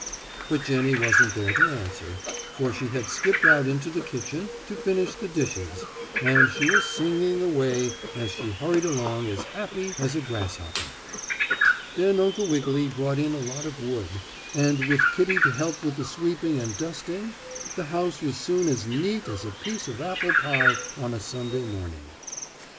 But Jennie wasn't there to answer, for she had skipped out into the kitchen to finish the dishes, and she was singing away as she hurried along as happy as a grasshopper. Then Uncle Wiggily brought in a lot of wood, and with Kittie to help with the sweeping and dusting, the house was soon as neat as a piece of apple pie on a Sunday morning.